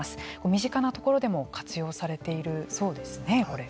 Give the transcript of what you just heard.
身近なところでも活用されているそうですね、これ。